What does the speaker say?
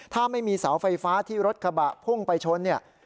ถ้าไม่มีเสาไฟฟ้าที่รถกระบะพุ่งไปชนเนี่ย